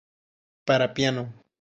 Para piano.